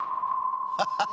ハハハハ。